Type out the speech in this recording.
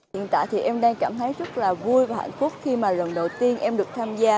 hiện tại thì em đang cảm thấy rất là vui và hạnh phúc khi mà lần đầu tiên em được tham gia